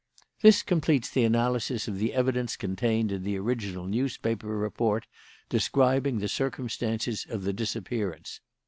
"This completes the analysis of the evidence contained in the original newspaper report describing the circumstances of the disappearance.